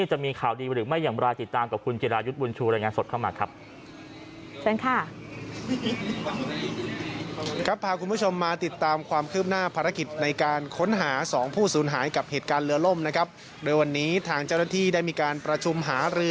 จะมีข่าวดีหรือไม่อย่างไรติดตามกับคุณจิรายุทย์บุญชู